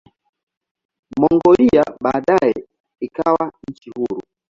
Mongolia baadaye ikawa nchi huru.